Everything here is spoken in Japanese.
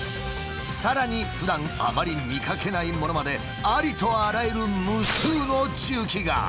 さらにふだんあまり見かけないものまでありとあらゆる無数の重機が。